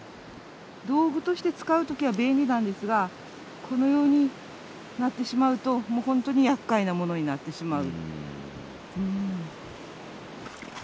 道具として使う時は便利なんですがこのようになってしまうと本当にやっかいものになってしまう。